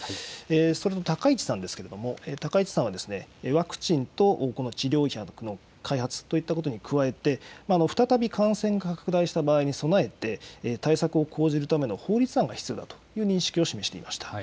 それと高市さんですけれども、高市さんはですね、ワクチンとこの治療薬の開発といったことに加えて、再び感染拡大した場合に備えて、対策を講じるための法律案が必要だという認識を示していました。